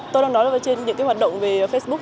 tôi đang nói là trên những hoạt động về facebook